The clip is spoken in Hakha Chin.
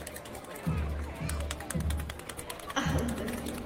Rawl i ziak lo mi na ngei maw?